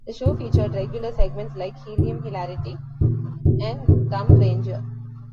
The show featured regular segments like "Helium Hilarity" and "Rump Ranger.